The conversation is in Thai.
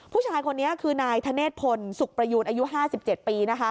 ผู้ชายคนนี้คือนายธเนธพลสุขประยูนอายุ๕๗ปี